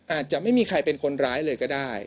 อาจจะไม่มีใครเป็นคนร้ายเลยก็ได้